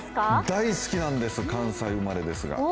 大好きなんです、関西生まれですが。